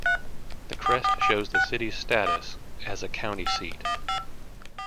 The crest shows the city's status as a county seat.